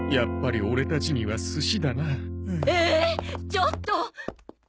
ちょっと！